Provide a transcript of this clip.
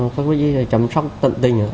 các bệnh viện chăm sóc tận tình